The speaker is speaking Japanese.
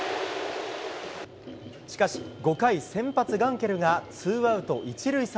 しかし、５回、先発、ガンケルがツーアウト１塁３塁。